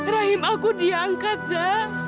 rahim aku diangkat za